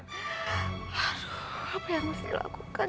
aduh apa yang mesti dilakukan